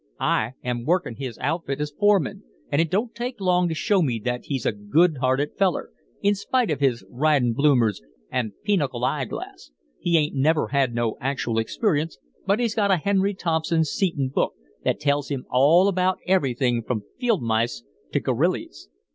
I am workin' his outfit as foreman, and it don't take long to show me that he's a good hearted feller, in spite of his ridin' bloomers an' pinochle eye glass. He ain't never had no actual experience, but he's got a Henry Thompson Seton book that tells him all about everything from field mice to gorrillys.